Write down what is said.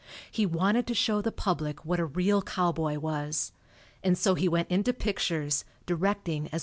He wanted to show the public what a real cowboy was. And so he wilt into pictures, directing as well as acting.